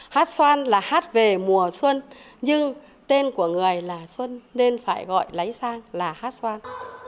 hát xoan là hát về mùa xuân nhưng tên của người là xuân nên phải gọi lấy sang là hát xoan